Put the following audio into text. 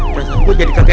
perasaan gua jadi kata enak